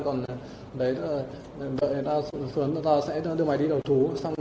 còn đấy là đợi ta xuống ta sẽ đưa mày đi đầu thú